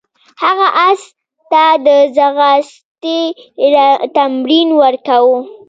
هغه اس ته د ځغاستې تمرین ورکاوه.